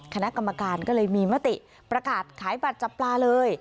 คณะกรรมการก็เลยมีมติประกาศขายบัตรจับปลาเลย